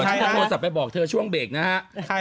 ฉันจะโทรศัพท์ไปบอกเธอช่วงเบรกนะฮะ